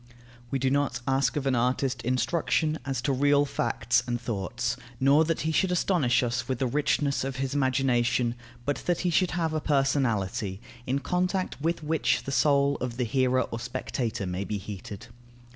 We do not ask of an artist instruction as to real facts and thoughts, nor that he should astonish us with the richness of his imagination, but that he should have a personality, in contact with which the soul of the hearer or spectator may be heated.